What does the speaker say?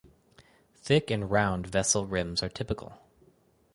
Thick and round vessel rims are typical.